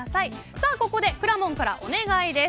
さあここでくらもんからお願いです。